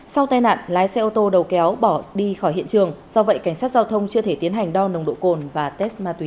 sau tai nạn lái xe ô tô đầu kéo bỏ đi khỏi hiện trường do vậy cảnh sát giao thông chưa thể tiến hành đo nồng độ cồn và test ma túy